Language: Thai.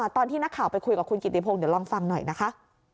ตอนที่นักข่าวไปคุยกับคุณกิติพงศ์เดี๋ยวลองฟังหน่อยนะคะ